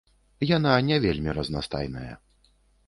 Яна не вельмі разнастайная.